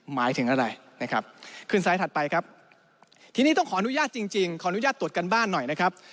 หมายถึงอะไรนะครับขึ้นสายถัดไปครับทีนี้ต้องขออนุญาตจริงขออนุญาตตรวจการบ้านหน่อยนะครับ